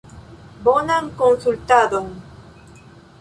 Bonan konsultadon!